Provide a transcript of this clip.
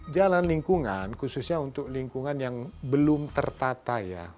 jalan lingkungan khususnya untuk lingkungan yang belum tertata ya